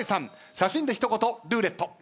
写真で一言ルーレット。